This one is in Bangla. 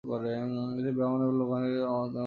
এতে ব্রাউন এবং লোগান এর রচনা অন্তর্ভুক্ত আছে।